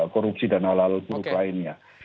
korupsi dan hal hal buruk lainnya